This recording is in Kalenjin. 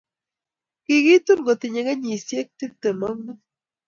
Kikitun kotinye kenyishek tiptem ak mut